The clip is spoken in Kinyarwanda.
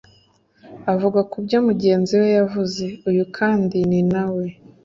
avuga ku byo mugenzi we yavuze. Uyu kandi ni na we